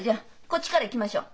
こっちから行きましょう。